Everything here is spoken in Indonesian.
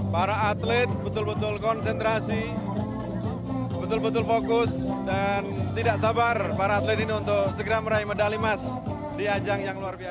para atlet betul betul konsentrasi betul betul fokus dan tidak sabar para atlet ini untuk segera meraih medali emas di ajang yang luar biasa